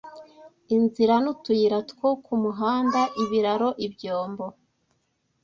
inzira n'utuyira two ku muhanda ibiraro ibyombo